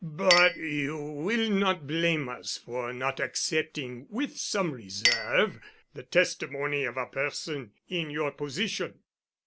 "But you will not blame us for not accepting, with some reserve, the testimony of a person in your position."